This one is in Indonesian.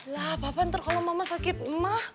lah papa ntar kalau mama sakit mah